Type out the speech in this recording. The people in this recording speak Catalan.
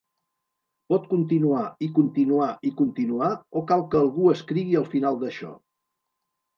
Pot continuar, i continuar i continuar, o cal que algú escrigui el final d'això.